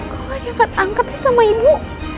kau gak diangkat angkat sih sama ibu